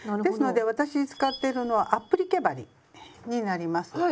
ですので私使ってるのはアップリケ針になります。